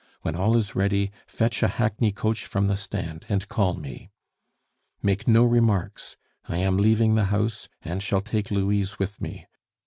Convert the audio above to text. When all is ready, fetch a hackney coach from the stand, and call me. "Make no remarks! I am leaving the house, and shall take Louise with me.